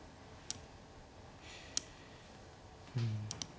うん。